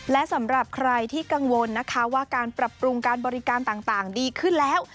และสำหรับใครที่กังวลนะคะว่าการปรับปรุงการบริการต่างดีขึ้นแล้ว